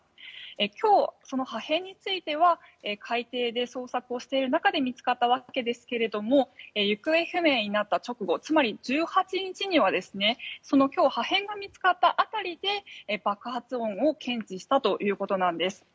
今日、破片については海底で捜索をしている中で見つかったわけですが行方不明になった直後つまり１８日には今日破片が見つかった辺りで爆発音を検知したということなんです。